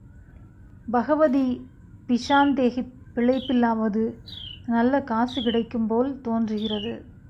பகவதி பிஷாந்தேஹிப் பிழைப்பிலாவது நல்ல காசு கிடைக்கும் போல் தோன்றுகிறது.